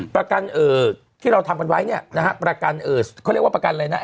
ประกันที่เราทำกันไว้เนี่ยนะฮะประกันเอ่อเขาเรียกว่าประกันอะไรนะ